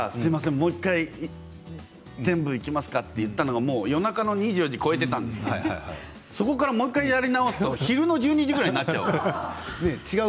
もう１回全部いきますかと言ったのは夜中の２４時超えていたのでそこからもう１回やり直すと昼の１２時ぐらいになっちゃう。